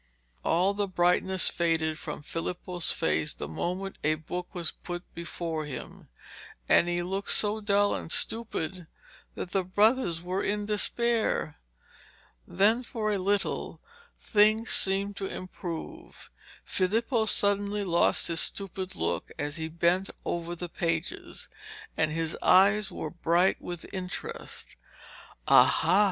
All the brightness faded from Filippo's face the moment a book was put before him, and he looked so dull and stupid that the brothers were in despair. Then for a little things seemed to improve. Filippo suddenly lost his stupid look as he bent over the pages, and his eyes were bright with interest. 'Aha!'